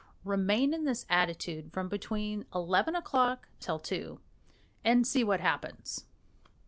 Remain in this attitude from between eleven o'clock till two, and see what happens."